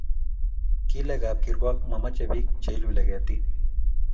kile kap kirwak mamache pik che ilule ketit